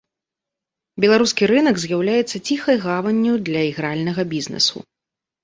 Беларускі рынак з'яўляецца ціхай гаванню для ігральнага бізнесу.